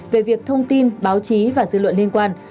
về việc thông tin báo chí và dư luận liên quan